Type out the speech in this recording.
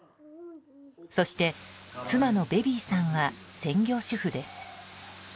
そして、妻のベビーさんは専業主婦です。